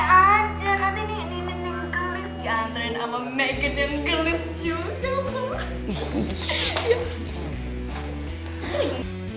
nanti nih nenek dan kelis diantarin sama megan dan kelis juga abah